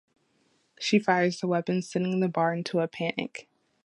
She fires the weapon, sending the bar into a panic.